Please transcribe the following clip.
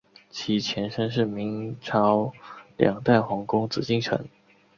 其前身是明清两代皇宫紫禁城。